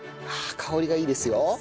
あ香りがいいですよ。